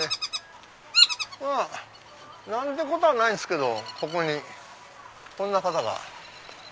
まぁ何てことはないんすけどここにこんな方が。